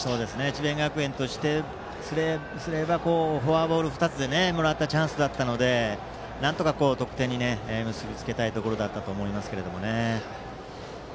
智弁学園とすればフォアボール２つでもらったチャンスだったのでなんとか得点に結び付けたいところだったと思いますけどね。